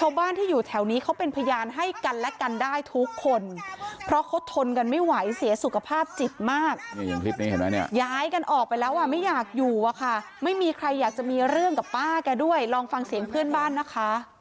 ชาวบ้านที่อยู่แถวนี้เขาเป็นพยานให้กันและกันได้ทุกคนเพราะเขาทนกันไม่ไหวเสียสุขภาพจิตมากนี่อย่างคลิปนี้เห็นไหมเนี่ยย้ายกันออกไปแล้วอ่ะไม่อยากอยู่อะค่ะไม่มีใครอยากจะมีเรื่องกับป้าแกด้วยลองฟังเสียงเพื่อนบ้านนะคะ